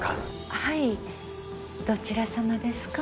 はいどちらさまですか？